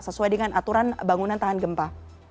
sesuai dengan aturan bangunan tahan gempa